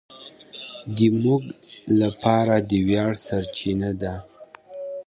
دی زموږ لپاره د ویاړ سرچینه ده.